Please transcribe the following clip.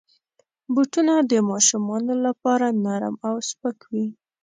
بوټونه د ماشومانو لپاره نرم او سپک وي.